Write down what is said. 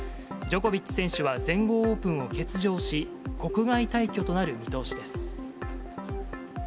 ジョコビッチ選手は全豪オープンを欠場し、国外退去となる見通しです。